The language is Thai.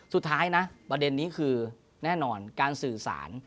สุดท้ายนะประเด็นนี้คือแน่นอนการสื่อสาร